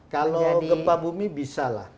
kalau gempa bumi bisa lah